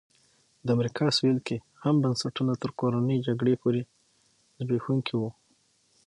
د امریکا سوېل کې هم بنسټونه تر کورنۍ جګړې پورې زبېښونکي وو.